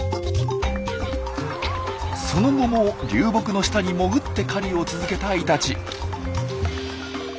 その後も流木の下に潜って狩りを続けたイタチ。